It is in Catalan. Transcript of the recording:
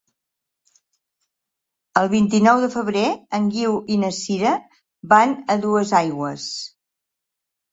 El vint-i-nou de febrer en Guiu i na Sira van a Duesaigües.